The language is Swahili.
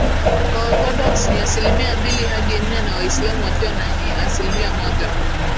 Waorthodoks ni asilimia mbili hadi nne na waislamu wakiwa ni asilimia moja